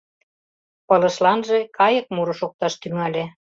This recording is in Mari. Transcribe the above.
Пылышланже кайык муро шокташ тӱҥале.